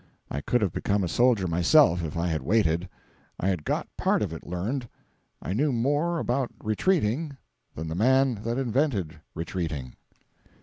I could have become a soldier myself, if I had waited. I had got part of it learned; I knew more about retreating than the man that invented retreating.